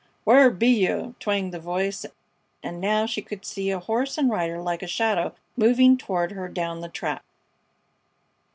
"Whar be you?" twanged the voice; and now she could see a horse and rider like a shadow moving toward her down the track.